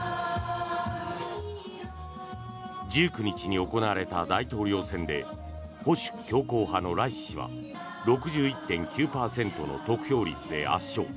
１９日に行われた大統領選で保守強硬派のライシ師は６１．９％の得票率で圧勝。